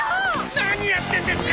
何やってるんですか！